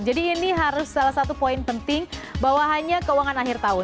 jadi ini harus salah satu poin penting bahwa hanya keuangan akhir tahun